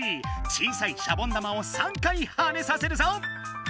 小さいシャボン玉を３回はねさせるぞ！